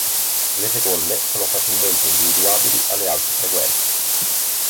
Le seconde sono facilmente individuabili alle alte frequenze.